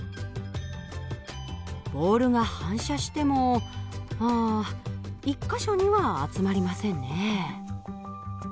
ボールが反射してもあ１か所には集まりませんね。